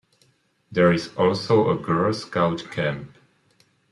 There is also a Girl Scout camp.